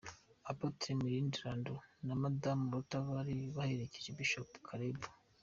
Apotre Mirindi Randou na Madamu Rutha bari baherekeje Bishop Karebu.